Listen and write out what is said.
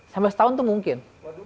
sampai setahun tuh mungkin